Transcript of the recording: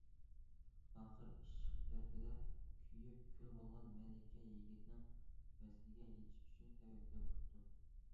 ئاخىر ئىشق دەردىدە كۆيۈپ كۈل بولغان مەلىكە يىگىتنىڭ ۋەسلىگە يېتىش ئۈچۈن تەۋەككۈل قىپتۇ.